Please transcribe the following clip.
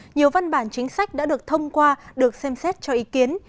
nhiều văn bản chính sách đã được thông qua được xem xét cho ý kiến